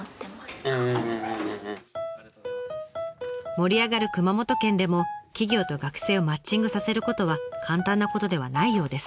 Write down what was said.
盛り上がる熊本県でも企業と学生をマッチングさせることは簡単なことではないようです。